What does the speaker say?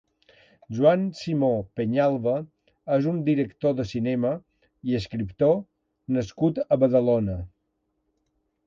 Joan Simó Peñalva és un director de cinema i escriptor nascut a Badalona.